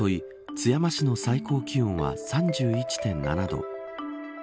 津山市の最高気温は３１．７度。